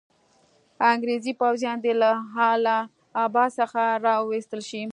انګریزي پوځیان دي له اله اباد څخه را وایستل شي.